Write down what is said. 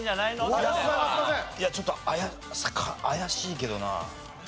いやちょっと怪しいけどな。